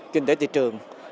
kinh tế thị trường